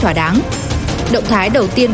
thỏa đáng động thái đầu tiên